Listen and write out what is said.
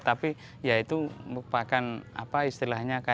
tapi ya itu merupakan apa istilahnya